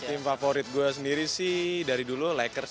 tim favorit gue sendiri sih dari dulu lakers